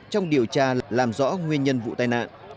trong điều tra làm rõ nguyên nhân vụ tai nạn